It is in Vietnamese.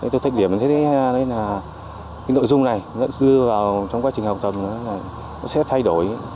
tôi thích điểm là nội dung này dư vào trong quá trình học tầm sẽ thay đổi